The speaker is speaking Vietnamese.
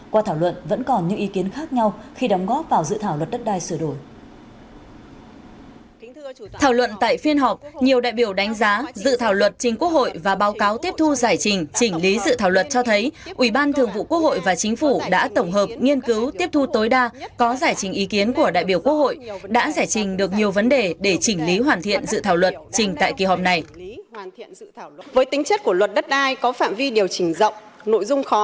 qua thảo luận vẫn còn những ý kiến khác nhau khi đóng góp vào dự thảo luật đất đai sửa đổi